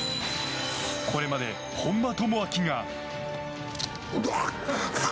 これまで本間朋晃が。